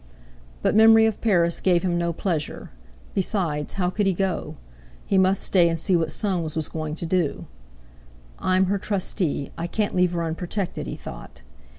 But memory of Paris gave him no pleasure. Besides, how could he go? He must stay and see what Soames was going to do. "I'm her trustee. I can't leave her unprotected," he thought.